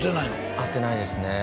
会ってないですね